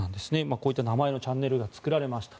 こういった名前のチャンネルが作られました。